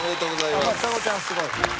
おめでとうございます。